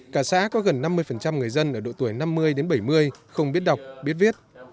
cả xã có gần năm mươi người dân ở độ tuổi năm mươi đến bảy mươi không biết đọc biết viết